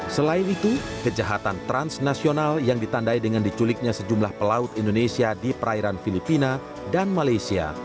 selain itu kejahatan transnasional yang ditandai dengan diculiknya sejumlah pelaut indonesia di perairan filipina dan malaysia